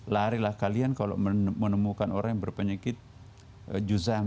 larilah kalian kalau menemukan orang yang berpenyakit juzag